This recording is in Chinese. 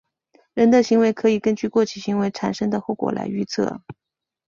人的行为可以根据过去行为产生的后果来预测。